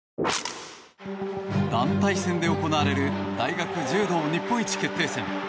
団体戦で行われる大学柔道日本一決定戦。